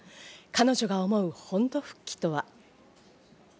彼女が思う本土復帰とは。